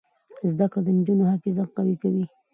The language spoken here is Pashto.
زده کړه د نجونو حافظه قوي کوي.